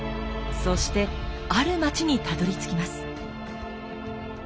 そしてある町にたどりつきます。